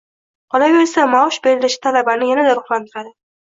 Qolaversa, maosh berilishi talabani yanada ruhlantiradi.